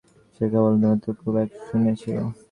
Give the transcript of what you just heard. কেবল ভূতাের মা তাহাকে খুব এক কথা শুনাইয়াছিল।